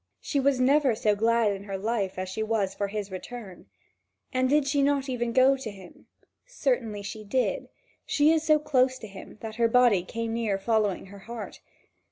She was never so glad in her life as she was for his return. And did she not even go to him? Certainly she did; she is so close to him that her body came near following her heart.